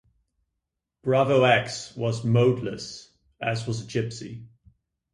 BravoX was "modeless", as was Gypsy.